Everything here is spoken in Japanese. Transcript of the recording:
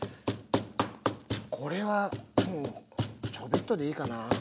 これはもうちょっとでいいかな。